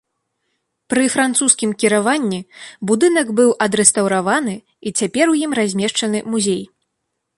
Пры французскім кіраванні будынак быў адрэстаўраваны і цяпер у ім размешчаны музей.